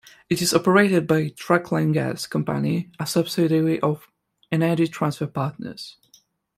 It is operated by Trunkline Gas Company, a subsidiary of Energy Transfer Partners.